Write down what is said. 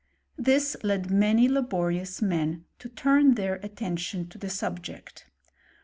This led many laborious men , their attention to the subject.